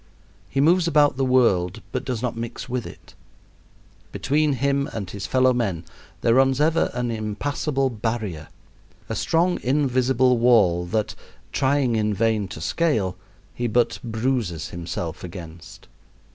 He moves about the world, but does not mix with it. Between him and his fellow men there runs ever an impassable barrier a strong, invisible wall that, trying in vain to scale, he but bruises himself against.